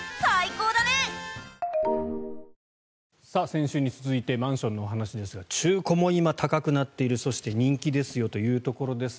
先週に続いてマンションのお話ですが中古も今、高くなっているそして人気ですよというところです。